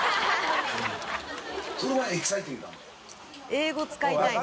英語使いたいんだ。